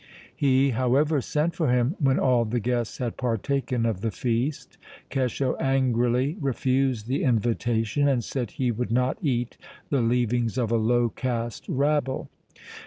He, however, sent for him when all the guests had partaken of the feast. Kesho angrily refused the invitation, and said he would not eat the leavings of a low caste rabble.